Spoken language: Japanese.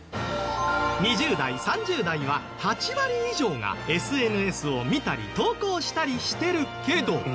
２０代３０代は８割以上がＳＮＳを見たり投稿したりしてるけど。